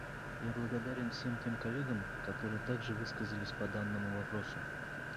Я благодарен всем тем коллегам, которые также высказались по данному вопросу.